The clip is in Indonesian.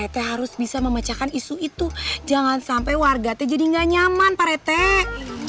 terserah pak rete weh